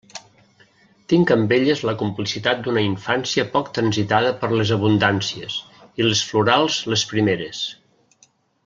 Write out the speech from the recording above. Tinc amb elles la complicitat d'una infància poc transitada per les abundàncies, i les florals les primeres.